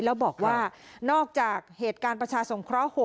แล้วบอกว่านอกจากเหตุการณ์ประชาสงเคราะห์๖